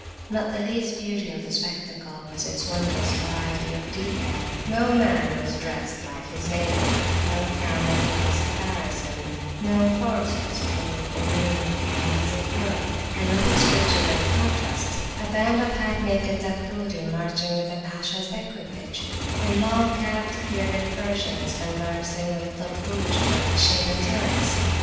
Not the least beauty of the spectacle was its wondrous variety of detail: no man was dressed like his neighbour, no camel was caparisoned, no horse was [p.66] clothed in uniform, as it were. And nothing stranger than the contrasts; a band of half naked Takruri marching with the Pashas equipage, and long capped, bearded Persians conversing with Tarbushd and shaven Turks.